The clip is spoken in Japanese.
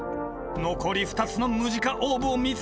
残り２つのムジカオーブを見つけるべく